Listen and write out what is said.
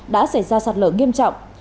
đã xảy ra sạt lở nghiêm trọng